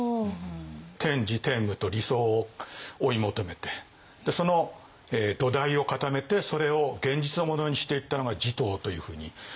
天智天武と理想を追い求めてその土台を固めてそれを現実のものにしていったのが持統というふうに。